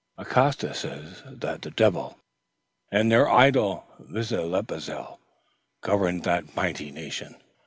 Acosta says that the Devil, in their idol Vitzlipultzli, governed that mighty nation.